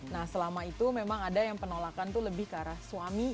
nah selama itu memang ada yang penolakan itu lebih ke arah suami